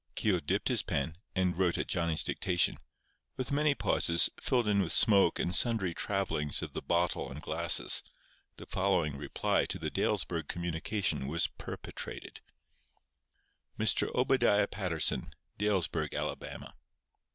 Keogh dipped his pen, and wrote at Johnny's dictation. With many pauses, filled in with smoke and sundry travellings of the bottle and glasses, the following reply to the Dalesburg communication was perpetrated: Mr. Obadiah Patterson, Dalesburg, Ala.